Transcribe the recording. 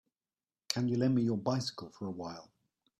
Can you lend me your bicycle for a while.